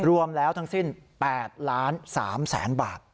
รวมแล้วทั้งสิ้น๘๓๐๐๐๐บาท